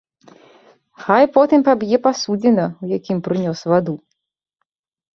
Хай потым паб'е пасудзіна, у якім прынёс ваду.